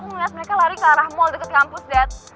aku melihat mereka lari ke arah mall deket kampus dad